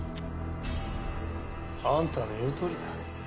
あんたの言う通りだ。